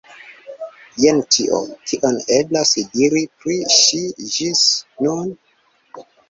Jen ĉio, kion eblas diri pri ŝi ĝis nun.